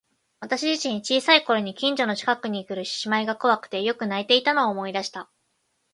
私自身、小さい頃に近所の神社にくる獅子舞が怖くてよく泣いていたのを思い出した。